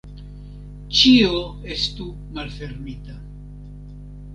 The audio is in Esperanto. Ĉio estu malfermita.